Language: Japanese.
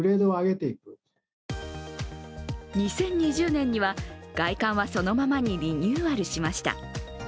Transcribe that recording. ２０２０年には、外観はそのままにリニューアルしました。